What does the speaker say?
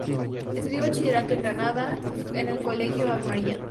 Estudió bachillerato en Granada, en el Colegio Ave María.